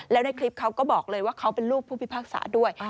แล้วในคลิปเขาก็บอกเลยว่าเขาเป็นลูกผู้พิพากษาด้วย